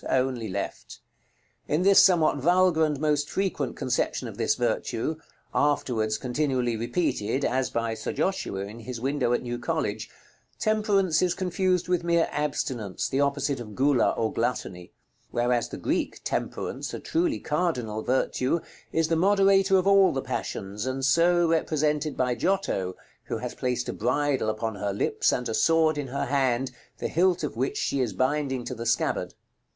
only left. In this somewhat vulgar and most frequent conception of this virtue (afterwards continually repeated, as by Sir Joshua in his window at New College) temperance is confused with mere abstinence, the opposite of Gula, or gluttony; whereas the Greek Temperance, a truly cardinal virtue, is the moderator of all the passions, and so represented by Giotto, who has placed a bridle upon her lips, and a sword in her hand, the hilt of which she is binding to the scabbard.